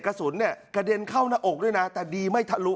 กระสุนเนี่ยกระเด็นเข้าหน้าอกด้วยนะแต่ดีไม่ทะลุ